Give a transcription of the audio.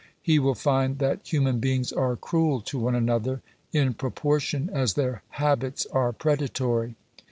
He will find that human beings are cruel to one another, in proportion as their habits are predatory.